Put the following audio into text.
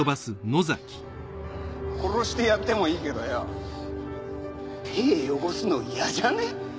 殺してやってもいいけどよ手汚すのいやじゃね？